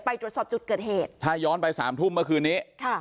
ไปตรวจสอบจุดเกิดเหตุถ้าย้อนไปสามทุ่มเมื่อคืนนี้ค่ะ